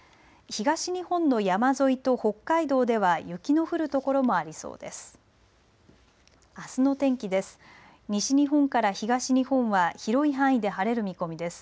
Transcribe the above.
東日本の山沿いと北海道では雪の降る所もありそうです。